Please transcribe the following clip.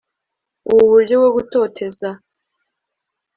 ubu buryo bwo gutoteza